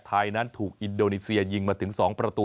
ไทยนั้นถูกอินโดนีเซียยิงมาถึง๒ประตู